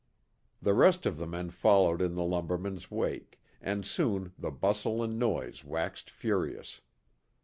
The rest of the men followed in the lumberman's wake, and soon the bustle and noise waxed furious.